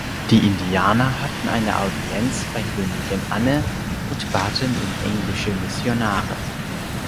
Die Indianer hatten eine Audienz bei Königin Anne und baten um englische Missionare.